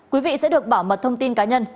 quý vị sẽ được bảo mật thông tin cá nhân